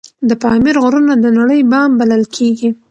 د پامیر غرونه د نړۍ بام بلل کیږي